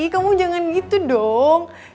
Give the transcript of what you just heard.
kamu jangan gitu dong